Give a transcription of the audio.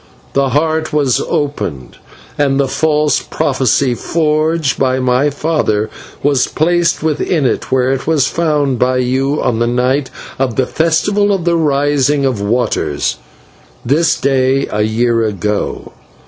The Heart was opened, and the false prophecy forged by my father was placed within it, where it was found by you on the night of the festival of the Rising of Waters, this day a year ago.